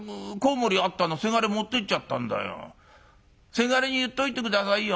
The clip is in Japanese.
せがれに言っといて下さいよ。